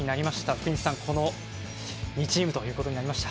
福西さん、この２チームということになりました。